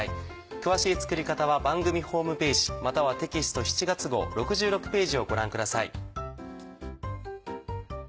詳しい作り方は番組ホームページまたはテキスト７月号６６ページをご覧ください。